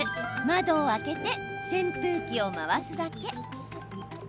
窓を開けて扇風機を回すだけ。